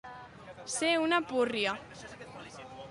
Ser una púrria.